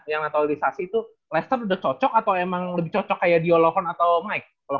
yang atau organisasi itu leicester udah cocok atau emang lebih cocok kayak diolochon atau mike